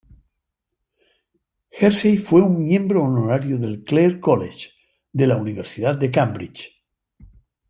Hersey fue un miembro honorario del Clare College, de la Universidad de Cambridge.